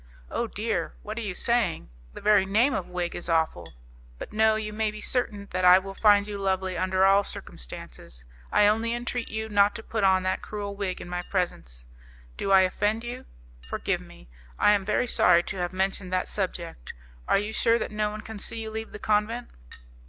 "Oh, dear! what are you saying? The very name of wig is awful. But no, you may be certain that I will find you lovely under all circumstances. I only entreat you not to put on that cruel wig in my presence. Do I offend you? Forgive me; I am very sorry to have mentioned that subject. Are you sure that no one can see you leave the convent?"